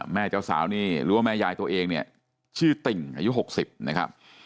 เจ้าสาวนี่หรือว่าแม่ยายตัวเองเนี่ยชื่อติ่งอายุ๖๐นะครับ